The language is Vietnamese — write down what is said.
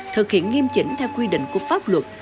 thực hiện nghiêm chỉnh theo quy định của pháp luật